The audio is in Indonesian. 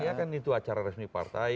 ya kan itu acara resmi partai